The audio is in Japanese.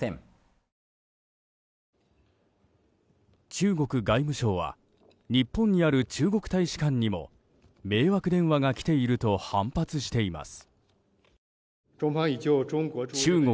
中国外務省は日本にある中国大使館にも迷惑電話が来ていると反発しています。